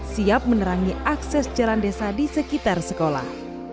siap menerangi akses jalan desa di sekitar sekolah